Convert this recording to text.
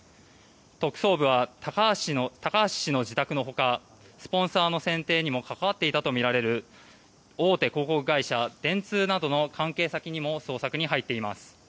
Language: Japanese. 特捜部は高橋氏の自宅の他スポンサーの選定にも関わっていたとみられる大手広告会社電通などの関係先にも捜索に入っています。